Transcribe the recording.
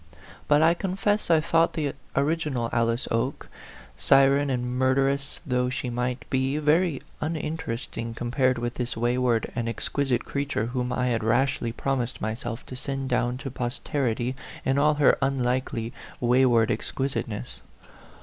But I confess I thought the original Alice Oke, siren and murderess though she might be, very uninteresting compared with this wayward and exquisite creature whom I had rashly promised myself to send down to posterity in all her unlikely, wayward ex quisiteness.